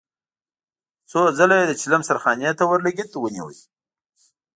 څو ځله يې د چيلم سرخانې ته اورلګيت ونيو.